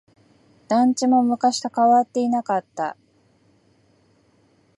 団地も昔と変わっていなかった。